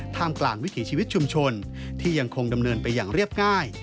กลางวิถีชีวิตชุมชนที่ยังคงดำเนินไปอย่างเรียบง่าย